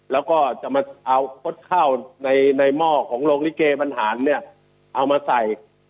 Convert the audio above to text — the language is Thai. แล้วก็จะมาเอาคดข้าวในหม้อของโรงลิเกบรรหารเนี่ยเอามาใส่